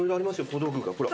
小道具がほら。